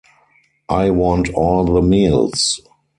I want all the meals.